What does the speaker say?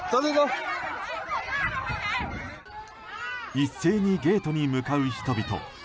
一斉にゲートに向かう人々。